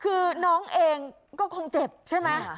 คือน้องเองก็คงเจ็บใช่ไหม